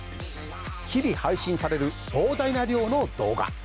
日々配信される膨大な量の動画。